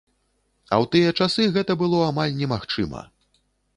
А ў тыя часы гэта было амаль немагчыма!